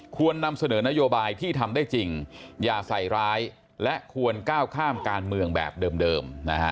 นำเสนอนโยบายที่ทำได้จริงอย่าใส่ร้ายและควรก้าวข้ามการเมืองแบบเดิม